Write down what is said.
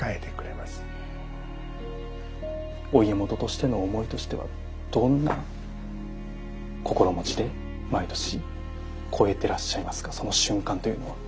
お家元としての思いとしてはどんな心持ちで毎年越えてらっしゃいますかその瞬間というのは。